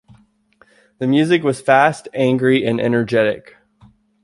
The music was fast, angry and energetic.